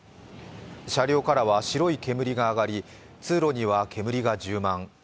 車両からは白い煙が上がり通路には煙が充満。